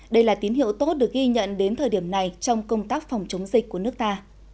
đây là tín hiệu tốt được ghi nhận đến thời điểm này trong công tác phòng chống dịch của nước ta